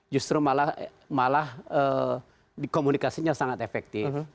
justru malah komunikasinya sangat efektif